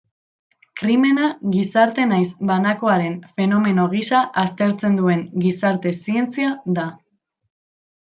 Krimena gizarte nahiz banakoaren fenomeno gisa aztertzen duen gizarte-zientzia da.